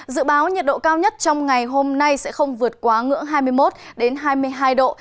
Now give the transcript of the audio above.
dự báo nhiệt độ cao nhất trong ngày hôm nay sẽ không vượt quá ngưỡng hai mươi một hai mươi hai độ